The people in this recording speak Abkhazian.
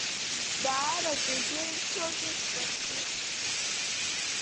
Даараӡа иџьеимшьози Карги.